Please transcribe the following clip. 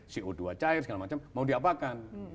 co dua cair segala macam mau diapakan